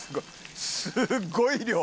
すごい量。